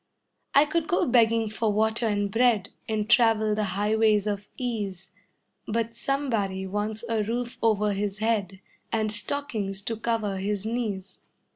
I could go begging for water and bread And travel the highways of ease, But somebody wants a roof over his head And stockings to cover his knees.